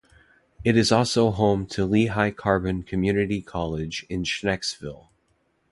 It is also home to Lehigh Carbon Community College in Schnecksville.